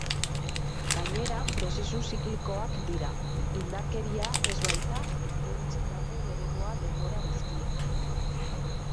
Gainera, prozesu ziklikoak dira, indarkeria ez baita intentsitate berekoa denbora guztian.